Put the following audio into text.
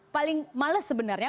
paling males sebenarnya